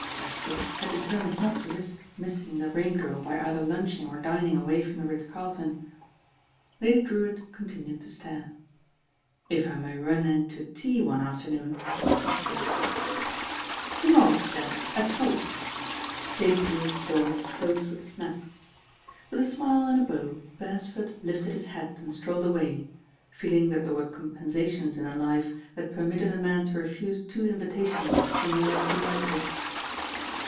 Beresford had determined not to risk missing the Rain Girl by either lunching or dinmg away from the Ritz Carlton. Lady Drewitt continued to stare. "If I may run in to tea one afternoon," he suir gested. *^ "To morrow, then, at four." Udy Drewitt's jaws closed with a snap. With a smile and a bow Beresford lifted his hat and strolled away, feeling that there were com pensations in a life that permitted a man to refuse two invitations from a wealthy relative.